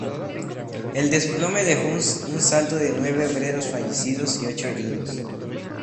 El desplome dejó un saldo de nueve obreros fallecidos y ocho heridos.